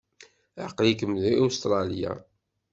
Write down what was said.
Aql-ikem deg Ustṛalya?